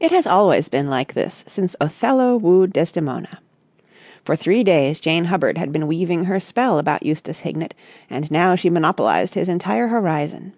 It has always been like this since Othello wooed Desdemona. For three days Jane Hubbard had been weaving her spell about Eustace Hignett, and now she monopolised his entire horizon.